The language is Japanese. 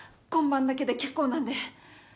今晩だけで結構なんで。